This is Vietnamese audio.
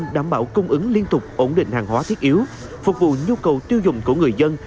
đảm bảo cung ứng liên tục ổn định hàng hóa thiết yếu phục vụ nhu cầu tiêu dùng của người dân